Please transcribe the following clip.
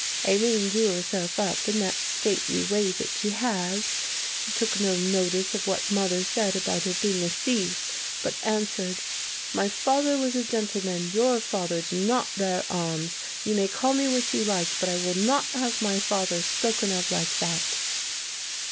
"Aline drew herself up in that stately way that she has. She took no notice of what mother said about her being a thief, but answered; 'My father was a gentleman, your father did not bear arms. You may call me what you like, but I will not have my father spoken of like that.